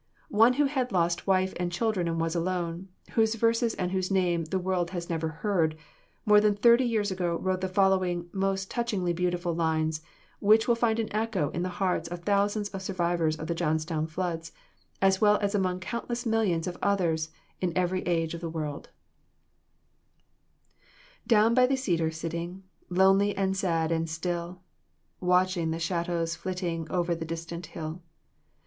One who had lost wife and children and was alone, whose verses and whose name the world has never heard, more than thirty years ago wrote the following most touchingly beautiful lines, which will find an echo in the hearts of thousands of survivors of the Johnstown flood, as well as among countless millions of others in every age of the world: Down by the cedar sitting, Lonely and sad and still, Watching the shadows flitting Over the distant hill.